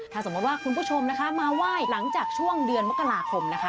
ถ้าสมมติว่าคุณผู้ชมนะคะมาไหว้หลังจากช่วงเดือนมกราคมนะคะ